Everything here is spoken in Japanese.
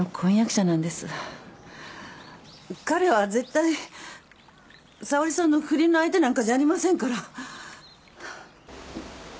彼は絶対沙織さんの不倫の相手なんかじゃありませんから。